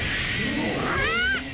あっ！